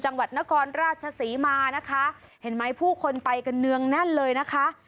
จังหวัดนครราชศรีมานะคะเห็นไหมผู้คนไปกันเนืองแน่นเลยนะคะ